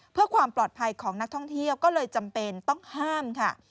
เพื่อความปลอดภัยของนักท่องเที่ยวก็เลยจำเป็นต้องห้ามค่ะ